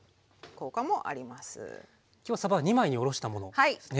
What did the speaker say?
今日はさば二枚におろしたものですね。